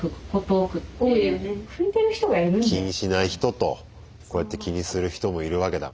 気にしない人とこうやって気にする人もいるわけだ。